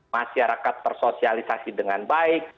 masyarakat tersosialisasi dengan baik